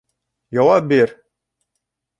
Яуап бир!